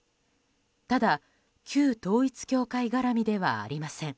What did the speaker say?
ただ、旧統一教会絡みではありません。